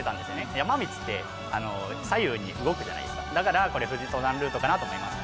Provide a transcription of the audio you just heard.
山道って左右に動くじゃないですかだからこれ富士登山ルートかなと思いました